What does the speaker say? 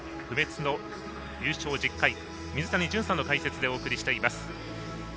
不滅の優勝１０回水谷隼さんの解説でお送りしています。